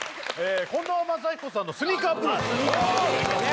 近藤真彦さんの「スニーカーぶるす」ああ！